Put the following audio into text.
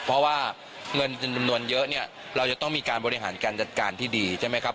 เพราะว่าเงินจำนวนเยอะเนี่ยเราจะต้องมีการบริหารการจัดการที่ดีใช่ไหมครับ